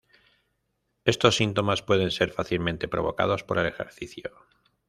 Estos síntomas pueden ser fácilmente provocados por el ejercicio.